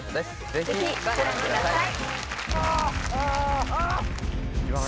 ぜひご覧ください